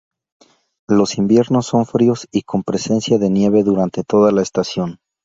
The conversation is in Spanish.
Los inviernos son fríos y con presencia de nieve durante toda la estación.